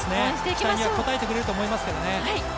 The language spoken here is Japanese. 期待に応えてくれると思いますけどね。